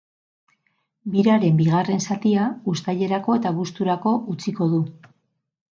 Biraren bigarren zatia uztailerako eta abuzturako utziko du.